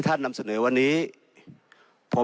ในฐานะรัฐสภาวนี้ตั้งแต่ปี๒๖๒